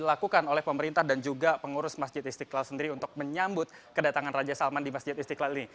dilakukan oleh pemerintah dan juga pengurus masjid istiqlal sendiri untuk menyambut kedatangan raja salman di masjid istiqlal ini